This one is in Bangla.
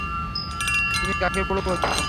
তুমি কাকে বুড়ো বলছো?